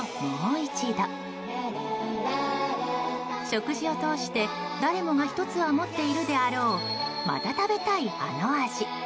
食事を通して誰もが１つは持っているであろうまた食べたい、あの味。